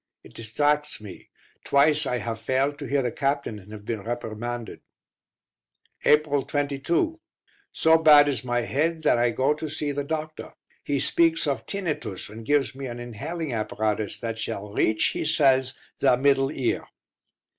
It distracts me; twice I have failed to hear the captain and have been reprimanded. April 22. So bad is my head that I go to see the doctor. He speaks of tinnitus, and gives me an inhaling apparatus that shall reach, he says, the middle ear.